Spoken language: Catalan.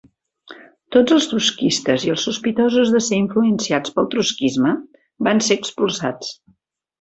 Tots els trotskistes i els sospitosos de ser influenciats pel trotskisme van ser expulsats.